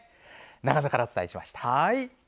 長野からお伝えしました。